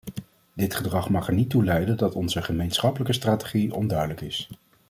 Dit gedrag mag er niet toe leiden dat onze gemeenschappelijke strategie onduidelijk is.